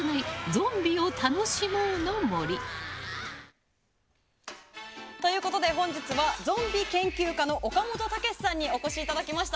ゾンビを楽しもうの森。ということで、本日はゾンビ研究家の岡本健さんにお越しいただきました。